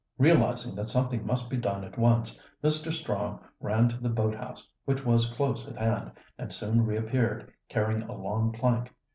Realizing that something must be done at once, Mr. Strong ran to the boathouse, which was close at hand, and soon reappeared, carrying a long plank.